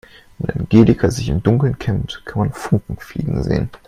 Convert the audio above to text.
Wenn Angelika sich im Dunkeln kämmt, kann man Funken fliegen sehen.